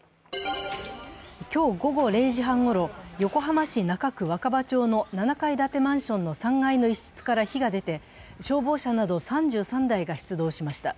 今日午後０時半ごろ、横浜市中区若葉町の７階建てマンションの３階の一室から火が出て消防車など３３台が出動しました。